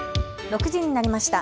６時になりました。